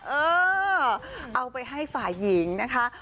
เออเอาไปให้ฝ่ายหญิงนะคะ